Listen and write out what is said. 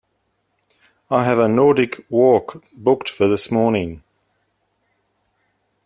I have a Nordic walk booked for this morning.